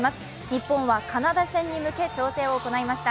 日本はカナダ戦に向け調整を行いました。